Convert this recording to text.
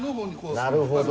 なるほど。